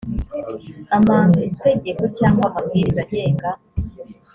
amategeko cyangwa amabwiriza agenga